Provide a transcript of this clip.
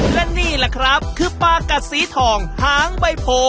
และนี่แหละครับคือปลากัดสีทองหางใบโพ